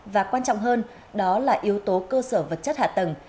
và quan trọng hơn đó là yếu tố cơ sở vật chất hạ tầng